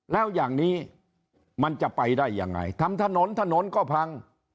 แล้วอย่างนี้มันจะไปได้ยังไงทำถนนถนนก็พัง